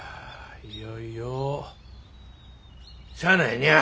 いよいよしゃあないにゃあ。